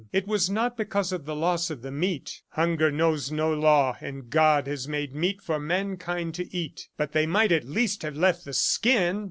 It was not because of the loss of the meat. "Hunger knows no law, and God has made meat for mankind to eat. But they might at least have left the skin!"